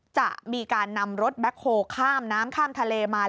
จะมีการนำรถแบ็คโฮข้ามน้ำข้ามทะเลมา